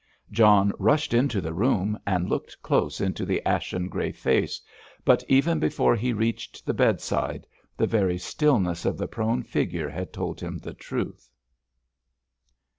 John rushed into the room and looked close into the ashen grey face, but even before he reached the bedside, the very stillness of the prone figure had told him the truth.